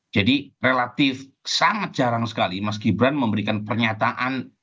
jadi relatif sangat jarang sekali mas gibran memberikan pernyataan